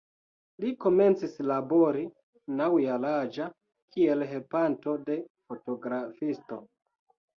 Li komencis labori naŭ-jaraĝa kiel helpanto de fotografisto.